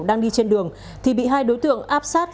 đang đi trên đường thì bị hai đối tượng áp sát